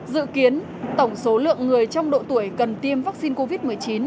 dự kiến tổng số lượng người trong độ tuổi cần tiêm vaccine covid một mươi chín